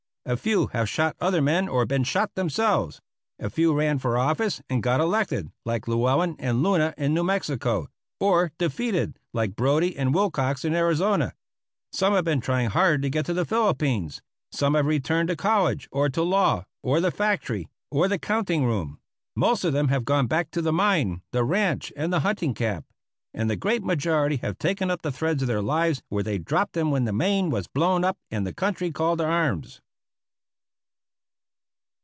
A few have shot other men or been shot themselves; a few ran for office and got elected, like Llewellen and Luna in New Mexico, or defeated, like Brodie and Wilcox in Arizona; some have been trying hard to get to the Philippines; some have returned to college, or to the law, or the factory, or the counting room; most of them have gone back to the mine, the ranch, and the hunting camp; and the great majority have taken up the threads of their lives where they dropped them when the Maine was blown up and the country called to arms.